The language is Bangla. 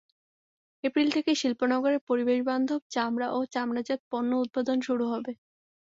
এপ্রিল থেকেই শিল্পনগরে পরিবেশবান্ধব চামড়া ও চামড়াজাত পণ্য উত্পাদন শুরু হবে।